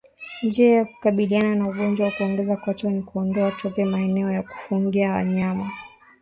Njia ya kukabiliana na ugonjwa wa kuoza kwato ni kuondoa tope maeneo ya kufungia wanyama